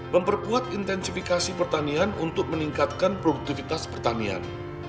memperkuat intensifikasi pertanian untuk meningkatkan produktivitas pertanian